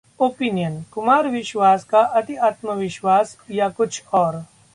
Opinion: Kumar Vishwas का अति आत्मविश्वास या कुछ और